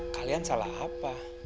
kalian salah apa